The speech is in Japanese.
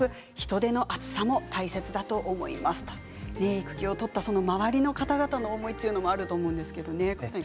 育休を取った周りの方々の思いというのもあると思うんですけどね。